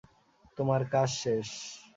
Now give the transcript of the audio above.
তোমার কাজ শেষ।